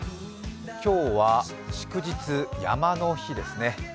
今日は祝日、山の日ですね。